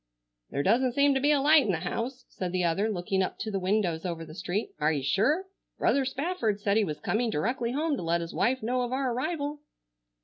"There doesn't seem to be a light in the house," said the other, looking up to the windows over the street. "Are you sure? Brother Spafford said he was coming directly home to let his wife know of our arrival."